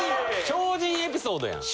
超人エピソードやん。